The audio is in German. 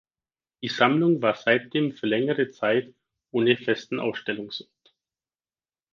Die Sammlung war seitdem für längere Zeit ohne festen Ausstellungsort.